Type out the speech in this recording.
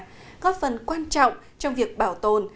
và góp phần quan trọng trong việc bảo tồn